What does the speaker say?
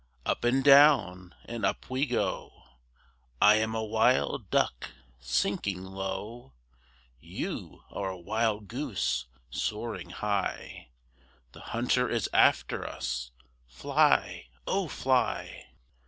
Up and down and up we go! I am a wild duck sinking low, You are a wild goose soaring high, The hunter is after us! fly! oh, fly!